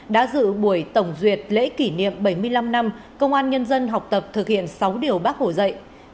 đã dự buổi tổng duyệt lễ kỷ niệm bảy mươi năm năm công an nhân dân học tập thực hiện sáu điều bác hồ dạy